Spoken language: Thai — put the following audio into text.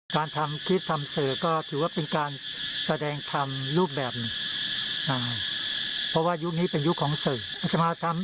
อยากให้ฟังท่านหน่อยค่ะ